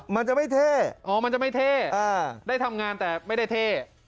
มันจะไม่เท่อ๋อมันจะไม่เท่ได้ทำงานแต่ไม่ได้เท่